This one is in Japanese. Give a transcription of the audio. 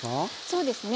そうですね。